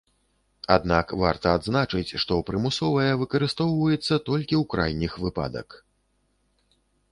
Аднак варта адзначыць, што прымусовая выкарыстоўваецца толькі ў крайніх выпадак.